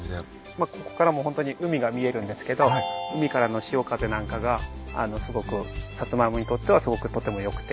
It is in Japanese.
まっここからもホントに海が見えるんですけど海からの潮風なんかがすごくサツマイモにとってはとても良くて。